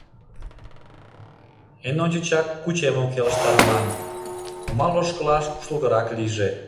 Эн ончычак кучемым келыштарыман, нумал ошкылаш куштылгырак лийже.